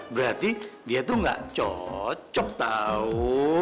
berarti dia tuh gak cocok tahu